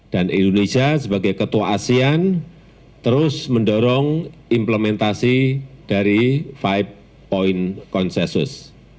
dan indonesia sebagai ketua asean terus mendorong implementasi dari five point consensus